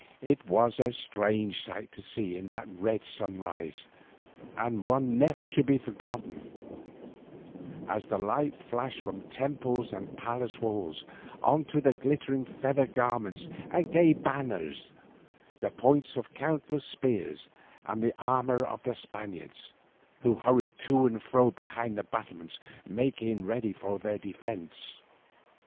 It was a strange sight to see in that red sunrise, and one never to be forgotten, as the light flashed from temples and palace walls, on to the glittering feather garments and gay banners, the points of countless spears and the armour of the Spaniards, who hurried to and fro behind their battlements making ready their defence.